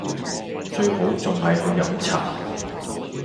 最好仲係去飲茶